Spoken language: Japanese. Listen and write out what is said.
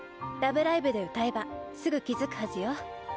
「ラブライブ！」で歌えばすぐ気付くはずよ。